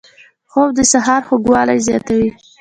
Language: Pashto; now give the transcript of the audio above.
خوب د سحر خوږوالی زیاتوي